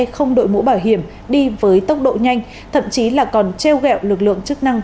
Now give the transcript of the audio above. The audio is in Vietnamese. không đội mũ bảo hiểm đi với tốc độ nhanh thậm chí là còn treo gẹo lực lượng chức năng